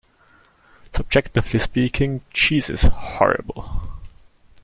Subjectively speaking, cheese is horrible.